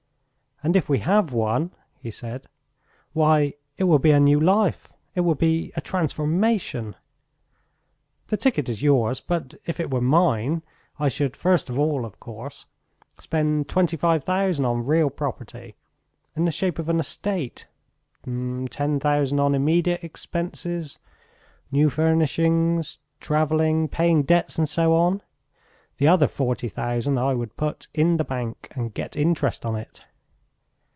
"And if we have won," he said "why, it will be a new life, it will be a transformation! The ticket is yours, but if it were mine I should, first of all, of course, spend twenty five thousand on real property in the shape of an estate; ten thousand on immediate expenses, new furnishing... travelling... paying debts, and so on.... The other forty thousand I would put in the bank and get interest on it."